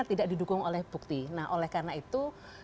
tidak didukung oleh bukti nah oleh karena itu